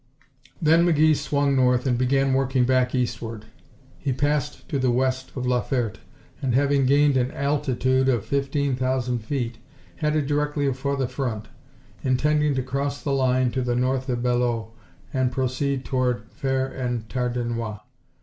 Then McGee swung north and began working back eastward. He passed to the west of La Ferte, and having gained an altitude of fifteen thousand feet, headed directly for the front, intending to cross the line to the north of Belleau and proceed toward Fere en Tardenois.